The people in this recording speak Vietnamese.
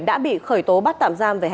đã bị khởi tố bắt tạp